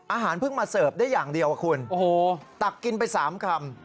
เพิ่งมาเสิร์ฟได้อย่างเดียวคุณตักกินไป๓คำ